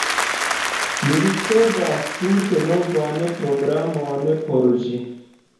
Ni ricevas tute novan programon por ĝi.